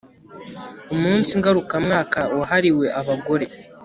umunsi ngarukamwaka wahariwe abagore